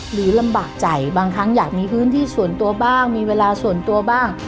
ลำบากใจบางครั้งอยากมีพื้นที่ส่วนตัวบ้างมีเวลาส่วนตัวบ้าง